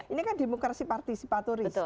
ini kan demokrasi partisipatoris